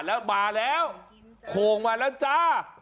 มีมาแล้วโขมมาแล้วจ้า